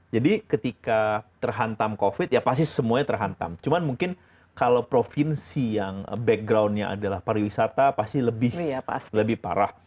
jadi ketika terhantam covid ya pasti semuanya terhantam cuma mungkin kalau provinsi yang backgroundnya adalah pariwisata pasti lebih parah